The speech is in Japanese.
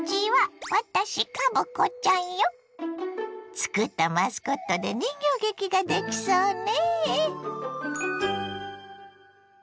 つくったマスコットで人形劇ができそうね。